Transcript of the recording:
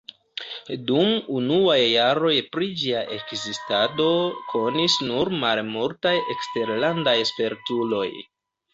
Dum unuaj jaroj pri ĝia ekzistado konis nur malmultaj eksterlandaj spertuloj.